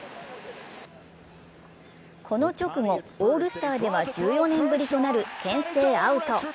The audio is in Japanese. この直後、オールスターでは１４年ぶりとなるけん制アウト。